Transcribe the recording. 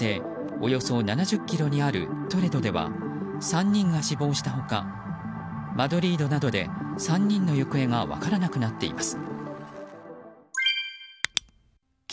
およそ７０ｋｍにあるトレドでは３人が死亡した他マドリードなどで３人の行方が分からなくなっています。